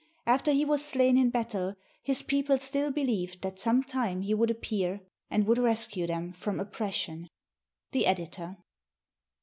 After he was slain in battle, his people still believed that some time he would appear and would rescue them from oppression. The Editor.